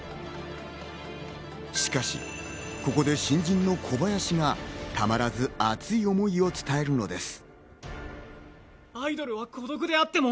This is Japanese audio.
しかし、ここで新人の小林がたまらず熱い思いを伝えるのです。